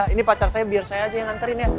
ini pacar saya biar saya aja yang nganterin ya